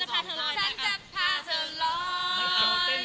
ฉันจะพาเธอร้อย